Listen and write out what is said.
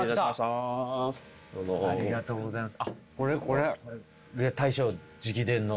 ありがとうございます。